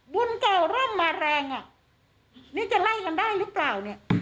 บุญเก่าเริ่มมาแรงนี่จะไล่กันได้หรือเปล่า